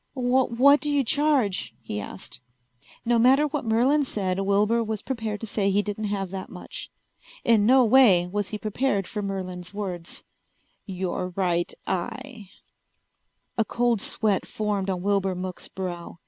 "What do you charge?" he asked. No matter what Merlin said Wilbur was prepared to say he didn't have that much. In no way was he prepared for Merlin's words. "Your right eye." A cold sweat formed on Wilbur Mook's brow.